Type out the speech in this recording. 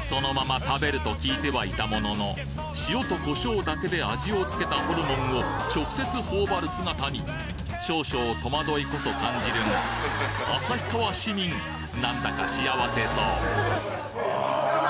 そのまま食べると聞いてはいたものの塩とコショウだけで味をつけたホルモンを直接頬張る姿に少々戸惑いこそ感じるが旭川市民なんだか幸せそうあ！